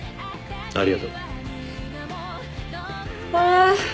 ありがとう。あ。